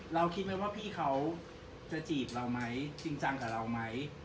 คิดไหมว่าพี่เขาจะจีบเราไหมจริงจังกับเราไหม